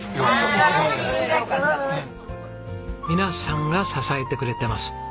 皆さんが支えてくれてます。